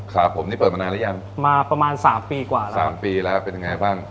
ครับผมนี่เปิดมานานหรือยังมาประมาณสามปีกว่าแล้วสามปีแล้วเป็นยังไงบ้าง